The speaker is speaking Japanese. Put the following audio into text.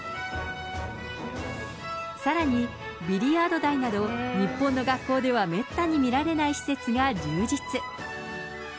さらにビリヤード台など、日本の学校ではめったに見られない施設が充実。